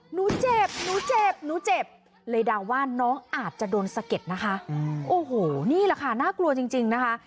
หนูเจ็บหนูเจ็บหนูเจ็บเลยเดาว่าน้องอาจจะโดนสะเก็ดนะคะโอ้โหนี่แหละค่ะน่ากลัวจริงจริงนะคะ